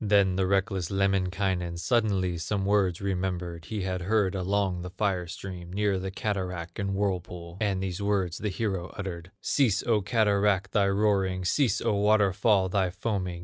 Then the reckless Lemminkainen Suddenly some words remembered, He had heard along the fire stream Near the cataract and whirlpool, And these words the hero uttered: "Cease, O cataract, thy roaring, Cease, O waterfall, thy foaming!